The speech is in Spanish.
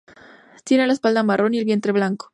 Tiene la espalda marrón y el vientre blanco.